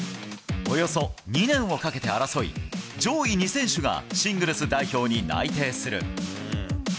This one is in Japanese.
およそ２年をかけて争い、上位２選手がシングルス代表に内定する。